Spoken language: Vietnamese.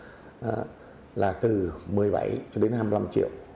và sau khi bà hoa tiếp nhận số nhân viên này thì đưa vào một khu nhà trọ để mà quản lý